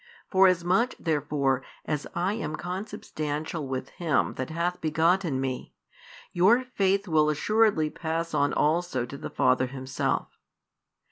Forasmuch therefore as I am Consubstantial with Him that hath begotten Me, your faith will assuredly pass on also to the Father Himself."